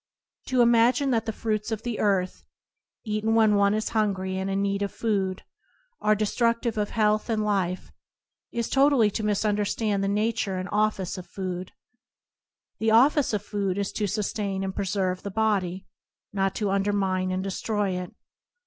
To imagine that the fruits of the earth, eaten when one is hungry and in need of food, are destruc tive of health and life is totally to misun derstand the nature and office of food. The office of food is to sustain and preserve the body, not to undermine and destroy it.